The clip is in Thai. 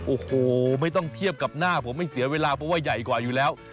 โอ้โหไม่ต้องเทียบกับหน้าผมไม่เสียเวลาเพราะว่าใหญ่กว่าอยู่แล้ว